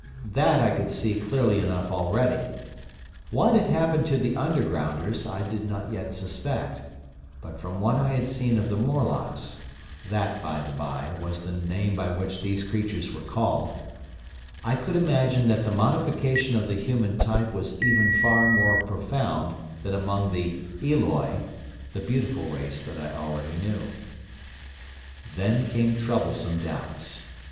That I could see clearly enough already. What had happened to the Undergrounders I did not yet suspect; but, from what I had seen of the Morlocks—that, by the bye, was the name by which these creatures were called—I could imagine that the modification of the human type was even far more profound than among the 'Eloi,' the beautiful race that I already knew. "Then came troublesome doubts.